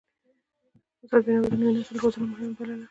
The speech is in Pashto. استاد بینوا د نوي نسل روزنه مهمه بلله.